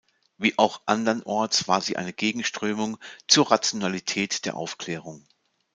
Wie auch andernorts war sie eine Gegenströmung zur Rationalität der Aufklärung.